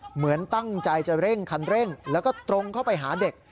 เหมือนตั้งใจจะเร่งคันเร่งแล้วก็ตรงเข้าไปหาเด็ก